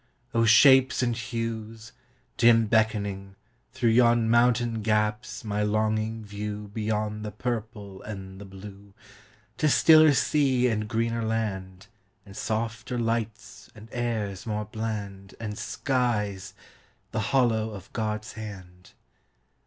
O shapes and hues, dim beckoning, throughYon mountain gaps, my longing viewBeyond the purple and the blue, To stiller sea and greener land, And softer lights and airs more bland, And skies,—the hollow of God's hand!